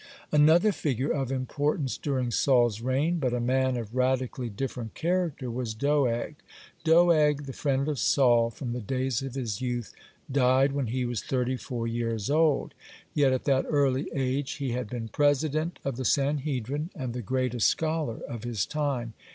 (95) Another figure of importance during Saul's reign, but a man of radically different character, was Doeg. Doeg, the friend of Saul from the days of his youth, (96) died when he was thirty four years old, (97) yet at that early age he had been president of the Sanhedrin and the greatest scholar of his time.